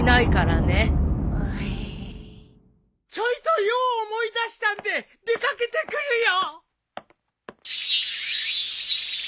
ちょいと用を思い出したんで出掛けてくるよ。